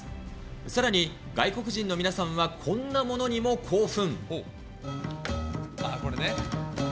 さらに、外国人の皆さんはこんなものにも興奮。